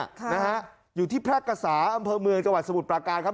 ค่ะนะฮะอยู่ที่แพร่กษาอำเภอเมืองจังหวัดสมุทรปราการครับ